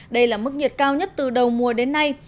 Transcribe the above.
đây là mức nhiệt cao nhất từ đầu mùa đến nay